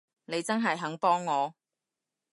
你真係肯幫我？